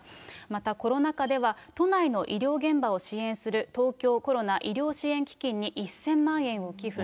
またコロナ禍では、都内の医療現場を支援する東京コロナ医療支援基金に１０００万円を寄付。